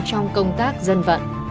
trong công tác dân vận